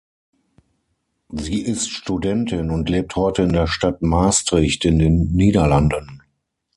Sie ist Studentin und lebt heute in der Stadt Maastricht in den Niederlanden.